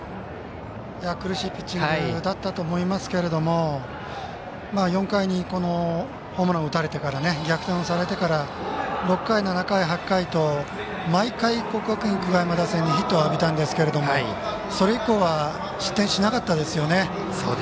苦しいピッチングだったと思いますけれども４回にホームランを打たれてから逆転をされてから６回７回８回と毎回、国学院久我山打線にヒットを浴びたんですけどもそれ以降は失点しなかったですよね。